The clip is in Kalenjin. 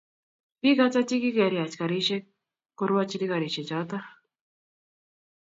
Bik Ata che kikeriach garisiek korwachini garisiechoto